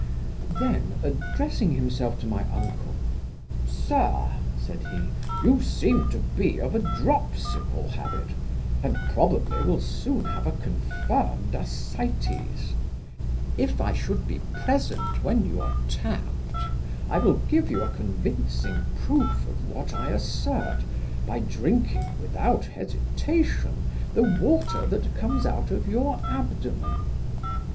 Then addressing himself to my uncle, 'Sir (said he) you seem to be of a dropsical habit, and probably will soon have a confirmed ascites: if I should be present when you are tapped, I will give you a convincing proof of what I assert, by drinking without hesitation the water that comes out of your abdomen.